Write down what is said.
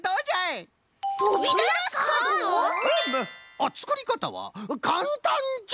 あっつくりかたはかんたんじゃ。